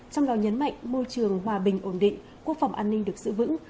trong đó nhấn mạnh môi trường hòa bình ổn định quốc phòng an ninh được giữ vững